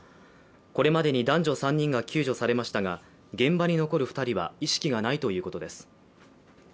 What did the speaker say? これまでに男女３人が救助されましたが現場に残る２人は意識がないということです